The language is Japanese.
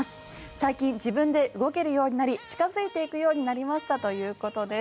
最近、自分で動けるようになり近付いていくようになりましたということです。